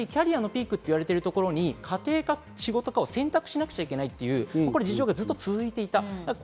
本来キャリアのピークと言われているところに家庭か仕事かを選択しなきゃいけない事情がずっと続いていた。